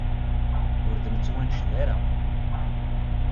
Ur d-nettwanced ara.